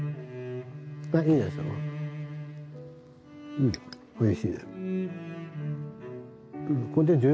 うん美味しいです。